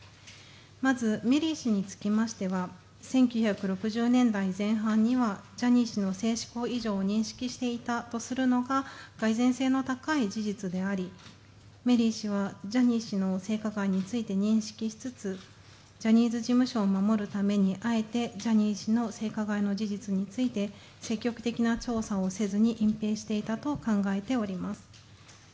まず、メリー氏につきましては、１９６０年代前半には、ジャニー氏の性加害について認識していたことががい然性の高い事実であり、メリー氏はジャニー氏の性加害について認識しつつ、ジャニーズ事務所を守るためにあえてジャニー氏の性加害の事実について積極的な調査をせずに隠蔽したと考えております。